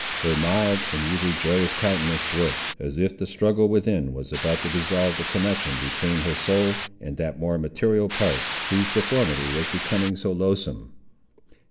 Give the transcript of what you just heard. Her mild and usually joyous countenance worked, as if the struggle within was about to dissolve the connection between her soul and that more material part, whose deformity was becoming so loathsome.